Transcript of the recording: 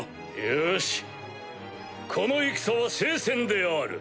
よしこの戦は聖戦である。